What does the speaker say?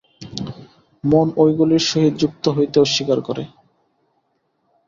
মন ঐগুলির সহিত যুক্ত হইতে অস্বীকার করে।